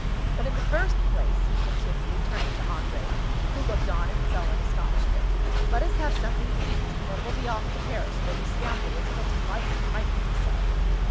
But in the first place," he continued, turning to André, who looked on in sullen astonishment, "let us have something to eat; and then we'll be off to Paris, where the scoundrel is most likely hiding himself."